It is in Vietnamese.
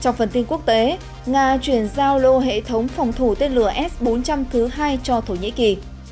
trong phần tin quốc tế nga chuyển giao lô hệ thống phòng thủ tên lửa s bốn trăm linh thứ hai cho thổ nhĩ kỳ